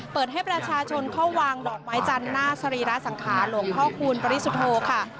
เปิดให้ประชาชนเข้าวางดอกไม้จันทร์หน้าสรีระสังขารหลวงพ่อคูณปริสุทธโธค่ะ